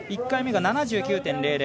１回目が７９．００。